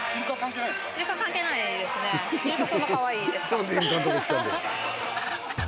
何でイルカのとこ来たんだよ。